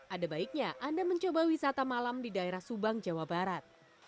ada baiknya anda mencoba wisata malam di daerah subang jawa barat